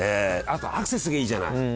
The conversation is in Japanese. あとアクセスがいいじゃない。